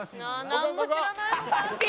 「なんも知らない」